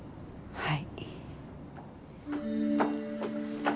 はい！